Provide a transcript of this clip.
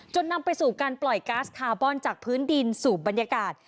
นำไปสู่การปล่อยก๊าซคาร์บอนจากพื้นดินสู่บรรยากาศ